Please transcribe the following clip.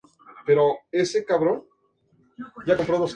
El punto negro indica la ubicación dentro de la isla de Manhattan.